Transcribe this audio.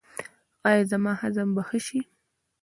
ایا زما هضم به ښه شي؟